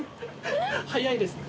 早いですね。